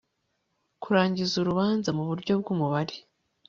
kurangiza urubanza mu buryo bw umubare e